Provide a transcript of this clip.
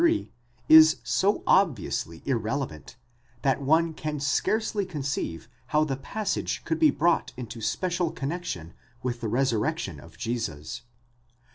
lv. 3 is so obviously irrelevant that one can scarcely conceive how the passage could be brought into special connexion with the resurrection of Jesus.